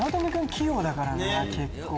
器用だからな結構。